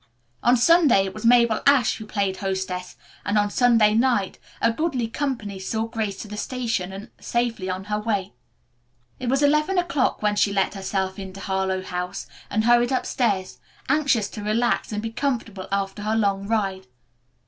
On Sunday it was Mabel Ashe who played hostess, and on Sunday night a goodly company saw Grace to the station and safely on her way. It was eleven o'clock when she let herself into Harlowe House, and hurried upstairs, anxious to relax and be comfortable after her long ride.